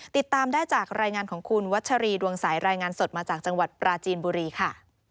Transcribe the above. ติดตามได้จากรายงานของคุณวัชรีดวงสายรายงานสดมาจากจังหวัดปราจีนบุรีค่ะ